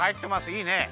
いいね。